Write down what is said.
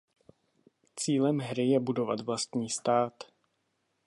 Cílem hry je budovat vlastní stát.